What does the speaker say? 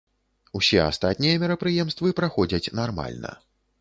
Усе астатнія мерапрыемствы праходзяць нармальна.